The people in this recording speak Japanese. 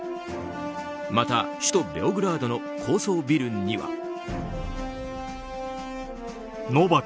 また、首都ベオグラードの高層ビルには。